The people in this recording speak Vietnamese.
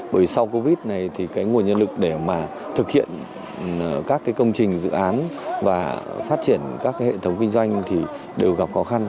bởi sau covid này thì cái nguồn nhân lực để mà thực hiện các cái công trình dự án và phát triển các cái hệ thống kinh doanh thì đều gặp khó khăn